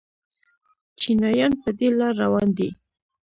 چینایان په دې لار روان دي.